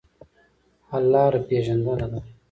حل لاره پېژندنه ده.